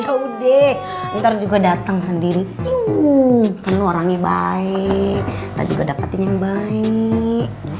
yaudah ntar juga datang sendiri yuk perlu orangnya baik ntar juga dapetin yang baik gitu ya